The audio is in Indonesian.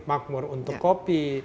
makmur untuk kopi